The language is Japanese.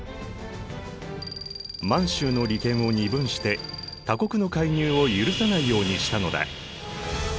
満洲の利権を二分して他国の介入を許さないようにしたのだ。